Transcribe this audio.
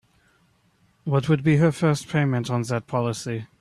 What would be her first payment on that policy?